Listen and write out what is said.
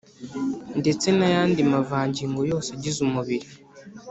ndetse n’ayandi mavangingo yose agize umubiri